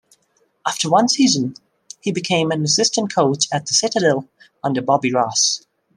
After one season, he became an assistant coach at The Citadel under Bobby Ross.